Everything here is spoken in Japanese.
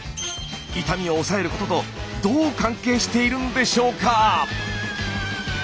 痛みを抑えることとどう関係しているんでしょうか？